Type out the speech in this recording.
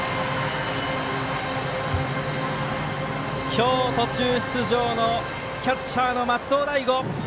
今日、途中出場のキャッチャーの松尾大悟。